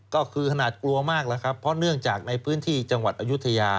ก็คือขนาดกลัวมากแล้วครับเพราะเนื่องจากในพื้นที่จังหวัดอายุทยา